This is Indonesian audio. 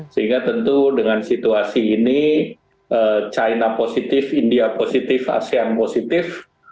sehingga tentu dengan situasi ini china positif india positif asean positif